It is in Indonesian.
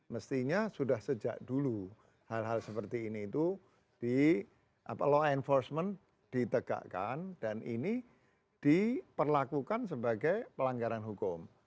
mestinya sudah sejak dulu hal hal seperti ini itu di law enforcement ditegakkan dan ini diperlakukan sebagai pelanggaran hukum